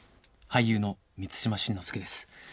俳優の満島真之介です。